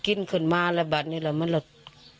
กินคนมาละสักวันนะมาแบ่งีบ้านมานี้แล้ว